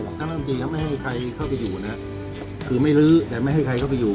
ท่านรัฐจริงยังไม่ให้ใครเข้าไปอยู่นะ